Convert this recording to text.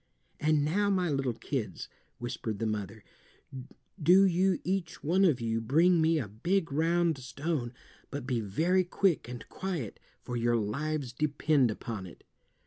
"And now, my little kids," whispered the mother, "do you each one of you bring me a big round stone, but be very quick and quiet, for your lives depend upon it."